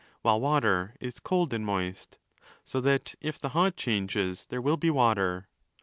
4 while Water is cold and moist, so that, if the hot changes, there will be Water.